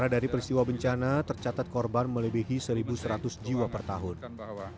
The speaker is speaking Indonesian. dari peristiwa bencana tercatat korban melebihi satu seratus jiwa per tahun